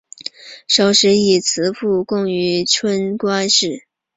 少时以辞赋贡于春官氏。